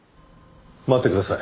待ってください。